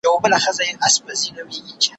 شپې یې ډېري تېرېدې په مېلمستیا کي